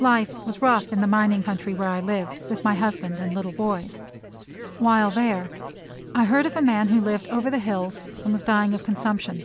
Life was rough in the mining country where I lived, with my husband and little boys. While there I heard of a man who lived over the hills and was dying of consumption.